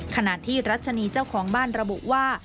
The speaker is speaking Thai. ขณะที่รัชนีเจ้าของบ้านระบุว่า